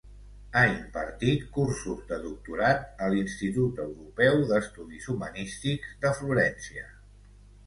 Ha impartit cursos de doctorat a l'Institut Europeu d'Estudis Humanístics de Florència.